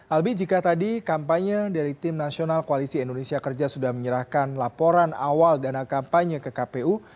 albi jika tadi kampanye dari tim nasional koalisi indonesia kerja sudah menyerahkan laporan awal dana kampanye ke kpu